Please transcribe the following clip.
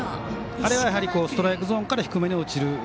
あれが、ストライクゾーンから低めに落ちる。